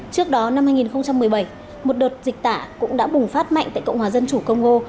trước đó năm hai nghìn một mươi bảy một đợt dịch tả cũng đã bùng phát mạnh tại cộng hòa dân chủ congo